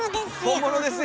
本物ですよ！